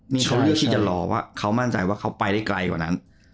นี่เขาเลือกที่จะรอว่าเขามั่นใจว่าเขาไปได้ไกลกว่านั้น